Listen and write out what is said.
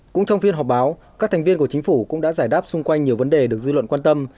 cũng trong phiên họp báo các thành viên của chính phủ cũng đã giải đáp xung quanh nhiều vấn đề được dư luận quan tâm